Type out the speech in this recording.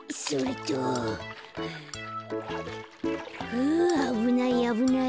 ふうあぶないあぶない。